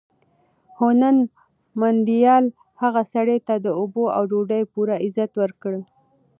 خو نن منډېلا هغه سړي ته د اوبو او ډوډۍ پوره عزت ورکړ.